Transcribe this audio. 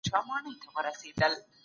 سترګې مې له نظارې او کتلو ستړې سوې.